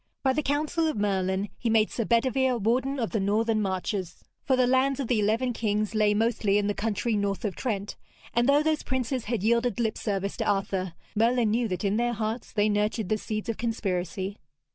By the counsel of Merlin he made Sir Bedevere Warden of the Northern Marches, for the lands of the eleven kings lay mostly in the country north of Trent, and though those princes had yielded lip service to Arthur, Merlin knew that in their hearts they nurtured the seeds of conspiracy.